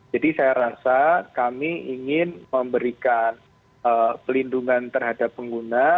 jadi saya rasa kami ingin memberikan pelindungan terhadap pengguna